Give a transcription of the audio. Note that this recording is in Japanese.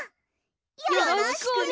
よろしくね。